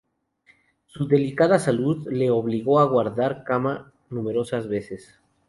Su delicada salud le obligó a guardar cama numerosas veces.